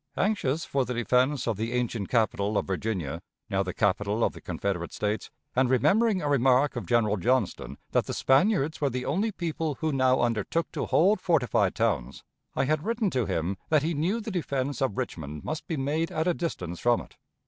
Anxious for the defense of the ancient capital of Virginia, now the capital of the Confederate States, and remembering a remark of General Johnston, that the Spaniards were the only people who now undertook to hold fortified towns, I had written to him that he knew the defense of Richmond must be made at a distance from it.